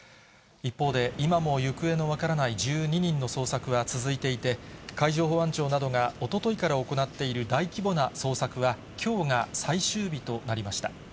一方で、今も行方の分からない１２人の捜索は続いていて、海上保安庁などがおとといから行っている大規模な捜索は、きょうが最終日となりました。